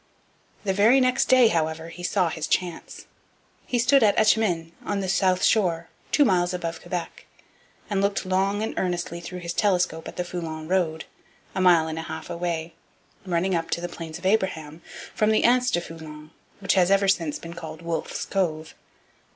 The very next day, however, he saw his chance. He stood at Etchemin, on the south shore, two miles above Quebec, and looked long and earnestly through his telescope at the Foulon road, a mile and a half away, running up to the Plains of Abraham from the Anse au Foulon, which has ever since been called Wolfe's Cove.